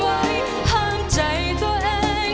ห้ามใจตัวเองไม่ได้เลย